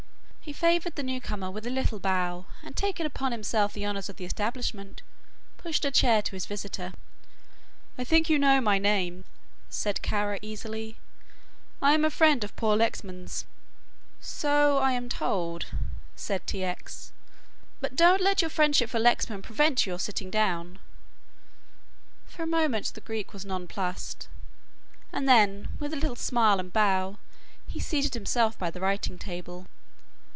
He favoured the newcomer with a little bow and taking upon himself the honours of the establishment, pushed a chair to his visitor. "I think you know my name," said Kara easily, "I am a friend of poor Lexman's." "So I am told," said T. X., "but don't let your friendship for Lexman prevent your sitting down." For a moment the Greek was nonplussed and then, with a little smile and bow, he seated himself by the writing table.